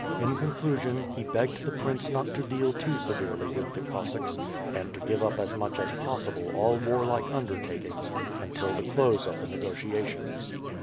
In conclusion, he begged the prince not to deal too severely with the Cossacks, and to give up as much as possible all warlike undertakings until the close of the negotiations.